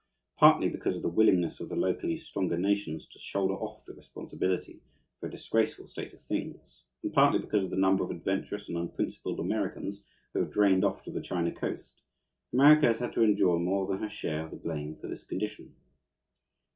Partly because of the willingness of the locally stronger nations to shoulder off the responsibility for a disgraceful state of things, and partly because of the number of adventurous and unprincipled Americans who have drained off to the China Coast, America has had to endure more than her share of the blame for this condition.